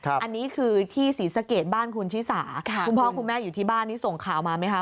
อันนี้คือที่ศรีสะเกดบ้านคุณชิสาคุณพ่อคุณแม่อยู่ที่บ้านนี้ส่งข่าวมาไหมคะ